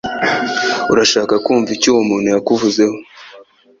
Urashaka kumva icyo uwo muntu yakuvuzeho